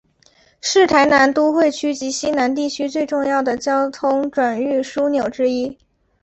是台南都会区及溪南地区最重要的交通转运枢纽之一。